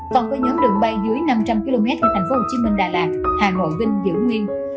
còn với nhóm đường bay dưới năm trăm linh km thì tp hcm đà lạt hà nội vinh diễu nguyên